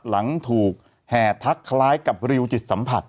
หลังถูกแห่ทักคล้ายกับริวจิตสัมผัส